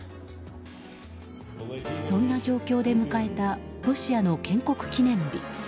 そんな状況で迎えたロシアの建国記念日。